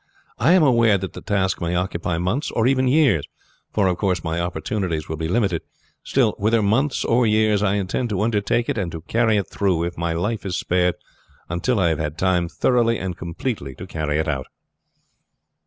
I am aware that the task may occupy months or even years, for, of course, my opportunities will be limited. Still, whether months or years, I intend to undertake it and to carry it through, if my life is spared until I have had time thoroughly and completely to carry it out."